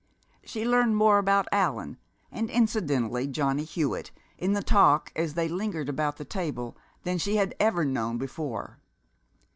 She learned more about Allan, and incidentally Johnny Hewitt, in the talk as they lingered about the table, than she had ever known before.